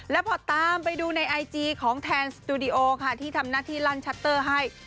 แล้วพอตามไปดูในไอจีของแทนสตูดิโอค่ะที่ทำหน้าที่ลั่นชัตเตอร์ให้